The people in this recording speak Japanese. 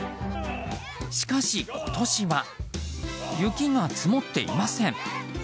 しかし今年は雪が積もっていません。